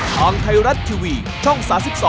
ทางไทยรัฐทีวีช่อง๓๒